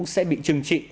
sẽ bị trừng trị